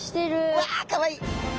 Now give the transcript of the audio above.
うわかわいい！